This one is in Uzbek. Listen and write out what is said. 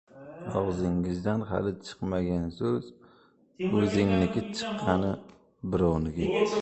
• Og‘zingdan hali chiqmagan so‘z ― o‘zingniki, chiqqani ― birovniki.